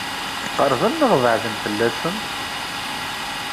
Qeṛben neɣ beɛden fell-asent?